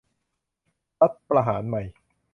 รัฐประหารใหม่